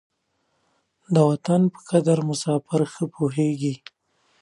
د وطن په قدر مساپر ښه پوهېږي.